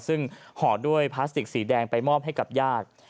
ซึ่งห่อด้วยพลาสติกสีแดงไปมอบให้กับญาติ